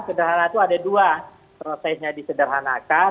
sederhana itu ada dua prosesnya disederhanakan